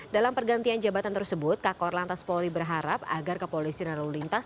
dalam pergantian jabatan tersebut kakor lantas polri berharap agar kepolisian lalu lintas